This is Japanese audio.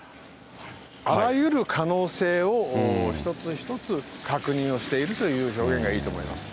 あらゆる可能性を、一つ一つ確認をしているという表現がいいと思います。